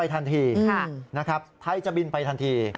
ไทยจะบินไปทันที